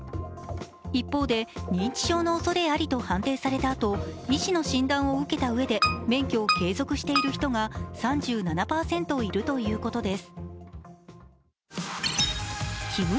一方で認知症のおそれありと判定されたあと、医師の診断を受けたうえで免許を継続している人が３７％いるということです。